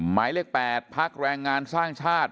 หมายเลข๘พักแรงงานสร้างชาติ